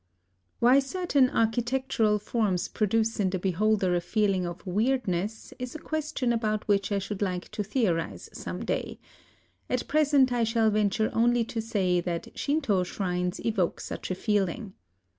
Why certain architectural forms produce in the beholder a feeling of weirdness is a question about which I should like to theorize some day : at present I shall venture only to say that Shinto shrines evoke such a feeling.